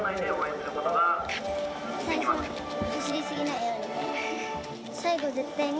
最初、走り過ぎないように。